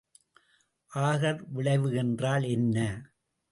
ஆகர் விளைவு என்றால் என்ன?